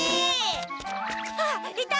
あっいた！